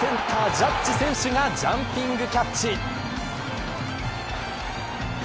ジャッジ選手がジャンピングキャッチ。